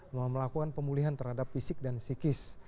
melakukan pemulihan terhadap fisik dan psikis